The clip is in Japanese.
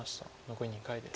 残り２回です。